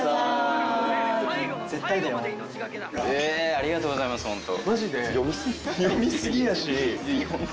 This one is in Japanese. ありがとうございます本当。